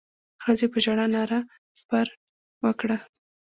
ښځې په ژړا ناره پر وکړه.